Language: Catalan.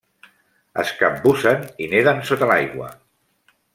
Es capbussen i neden sota l'aigua.